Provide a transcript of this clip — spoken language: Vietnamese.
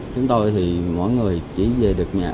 chúng tôi thì mỗi người chỉ về được nhà